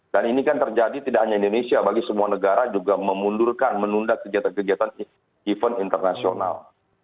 dan ini kan terjadi tidak hanya di indonesia bagi semua negara juga memundurkan menunda kegiatan kegiatan event internasional